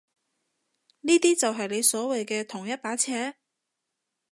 呢啲就係你所謂嘅同一把尺？